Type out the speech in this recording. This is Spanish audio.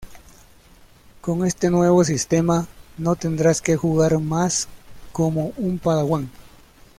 Con este nuevo sistema, no tendrás que jugar más como un Padawan.